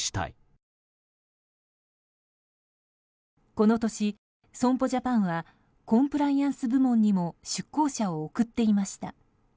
この年、損保ジャパンはコンプライアンス部門にも出向者を送っていました。